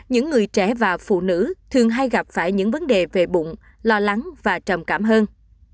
những người trẻ và phụ nữ thường hay gặp phải những vấn đề về bụng lo lắng và trầm cảm hơn